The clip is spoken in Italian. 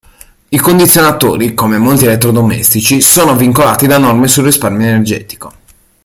I condizionatori, come molti elettrodomestici, sono vincolati da norme sul risparmio energetico.